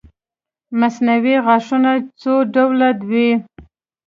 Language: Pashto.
مصنوعي غاښونه څو ډوله وي